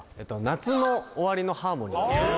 「夏の終わりのハーモニー」